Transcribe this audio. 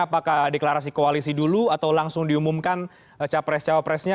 apakah deklarasi koalisi dulu atau langsung diumumkan capres cawapresnya